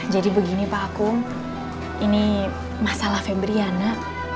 jadi begini paku ini masalah febriana